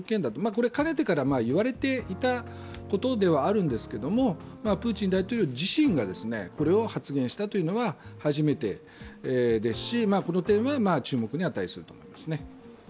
これはかねてから言われていたことではあるんですけどもプーチン大統領自身がこれを発言したというのは初めてですし、この点は注目に値します。